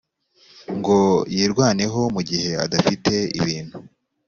ngo yirwaneho mu gihe adafite ibintu